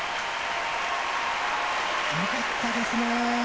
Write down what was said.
よかったですね。